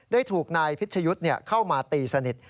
ถูกนายพิชยุทธ์เข้ามาตีสนิท